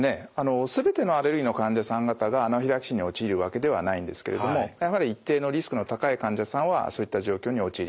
全てのアレルギーの患者さん方がアナフィラキシーに陥るわけではないんですけれどもやはり一定のリスクの高い患者さんはそういった状況に陥ります。